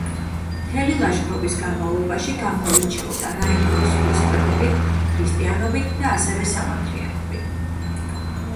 მთელი ლაშქრობის განმავლობაში გამოირჩეოდა რაინდული სულისკვეთებით ქრისტიანობით და ასევე სამართლიანობით.